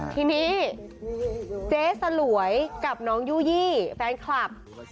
ทีนี้เจ๊สลวยกับน้องยู่ยี่แฟนคลับ